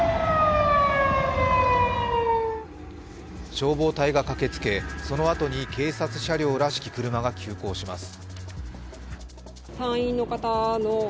消防隊が駆けつけ、そのあとに警察車両らしき車が急行します。